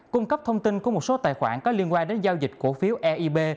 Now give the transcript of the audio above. cung cấp thông tin của một số tài khoản có liên quan đến giao dịch cổ phiếu eib